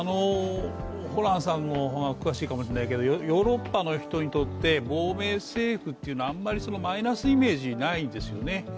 ホランさんの方が詳しいかもしれないけどヨーロッパの人にとって亡命政府というのはあまりマイナスイメージがないんですよね。